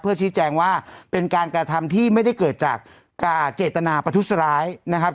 ชี้แจงว่าเป็นการกระทำที่ไม่ได้เกิดจากเจตนาประทุษร้ายนะครับ